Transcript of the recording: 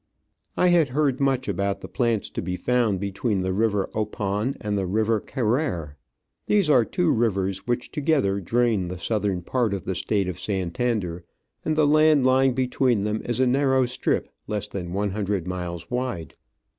I had heard much about the plants to be Digitized by VjOOQIC 164 Travels and Adventures found between the river Opon and the river Carare : these are two rivers which together drain the southern part of the State of Santander, and the land lying between them is a narrow strip less than one hundred miles wide.